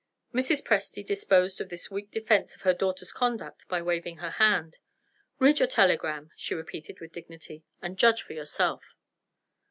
Mrs. Presty disposed of this weak defense of her daughter's conduct by waving her hand. "Read your telegram," she repeated with dignity, "and judge for yourself."